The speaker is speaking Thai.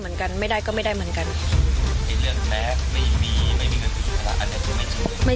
เป็นว่ามีประโยบิทยาและหลักถ้ากลับไป